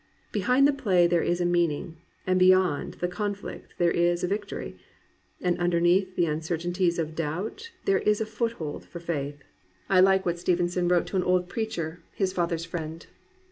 Behind the play there is a meaning, and beyond the conflict there is a victory, and imderneath the imcertainties of doubt there is a foothold for faith. 389 COMPANIONABLE BOOKS I like what Stevenson wrote to an old preacher, his father's friend.